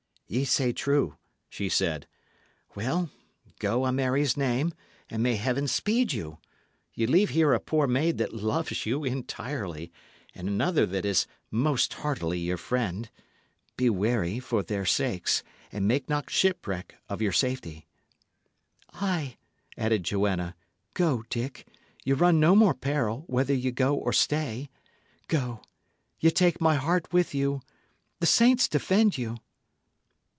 "Ye say true," she said. "Well, go, a Mary's name, and may Heaven speed you! Ye leave here a poor maid that loves you entirely, and another that is most heartily your friend. Be wary, for their sakes, and make not shipwreck of your safety." "Ay," added Joanna, "go, Dick. Ye run no more peril, whether ye go or stay. Go; ye take my heart with you; the saints defend you!"